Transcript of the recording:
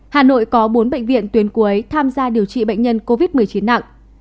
hà nội có bốn bệnh viện tuyến cuối tham gia điều trị bệnh nhân covid một mươi chín nặng